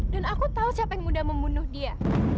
dan aku tahu siapa yang mudah membunuh dia